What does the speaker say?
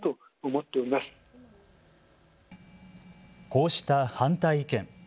こうした反対意見。